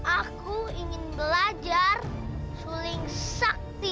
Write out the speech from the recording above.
aku ingin belajar saling sakti